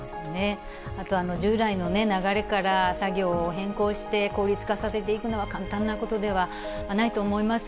あと、従来の流れから作業を変更して効率化させていくのは簡単なことではないと思います。